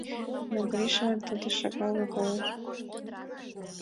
Но Гришлан тудо шагал логалеш.